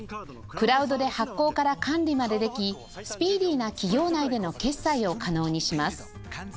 クラウドで発行から管理までできスピーディーな企業内での決済を可能にします